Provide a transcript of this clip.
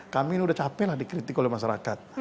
kami ini udah capek lah dikritik oleh masyarakat